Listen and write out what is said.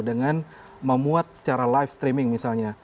dengan memuat secara live streaming misalnya